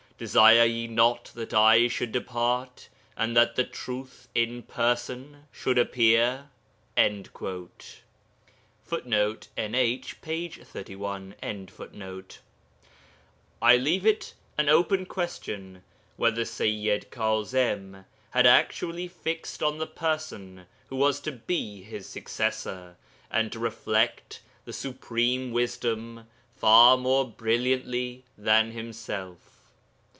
Desire ye not that I should depart, and that the truth [in person] should appear?' [Footnote: NH, p. 31.] I leave it an open question whether Seyyid Kaẓim had actually fixed on the person who was to be his successor, and to reflect the Supreme Wisdom far more brilliantly than himself.